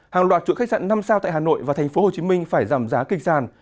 hàng loạt trụ khách sạn năm sao tại hà nội và tp hcm phải giảm giá kịch sàn